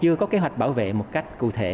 chưa có kế hoạch bảo vệ một cách cụ thể